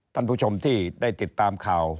ท่านผู้ชมที่ได้ติดตามข่าว